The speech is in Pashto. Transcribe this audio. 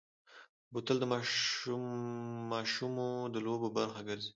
بوتل د ماشومو د لوبو برخه ګرځي.